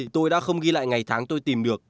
tôi đã không ghi lại ngày tháng tôi tìm được